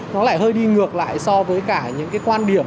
nó lại hơi đi ngược lại so với cả những cái quan điểm